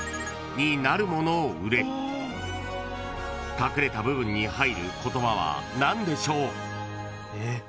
［隠れた部分に入る言葉は何でしょう？］